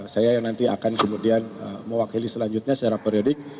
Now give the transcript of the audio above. saya yang nanti akan kemudian mewakili selanjutnya secara periodik